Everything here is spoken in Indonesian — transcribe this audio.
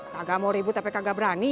kagak mau ribut tapi kagak berani